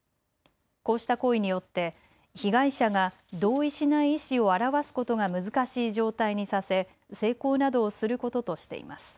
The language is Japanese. こうした行為によって被害者が同意しない意思を表すことが難しい状態にさせ性交などをすることとしています。